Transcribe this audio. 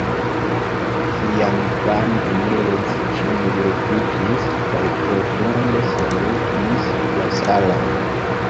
Kiam Ivano eniris, ĉiuj leviĝis kaj profunde salutis la caron.